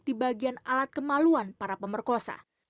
di bagian alat kemaluan para pemerkosa